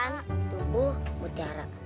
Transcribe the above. ikan tubuh mutiara